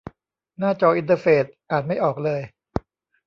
หน้าจออินเตอร์เฟซอ่านไม่ออกเลย